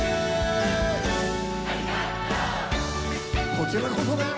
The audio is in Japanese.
こちらこそだよ。